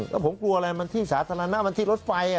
แล้วผมกลัวอะไรมันที่สาธารณะมันที่รถไฟ